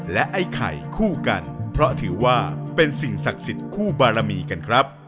และไอ้ไข่คู่กันเพราะถือว่าเป็นสิ่งศักดิ์สิทธิ์คู่บารมีกันครับ